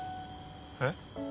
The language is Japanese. えっ？